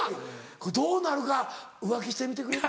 これどうなるか浮気してみてくれる？